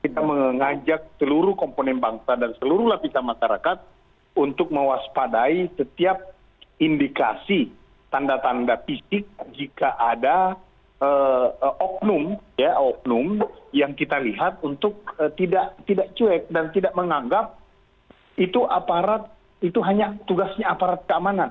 kita mengajak seluruh komponen bangsa dan seluruh lapisan masyarakat untuk mewaspadai setiap indikasi tanda tanda fisik jika ada oknum yang kita lihat untuk tidak cuek dan tidak menganggap itu aparat itu hanya tugasnya aparat keamanan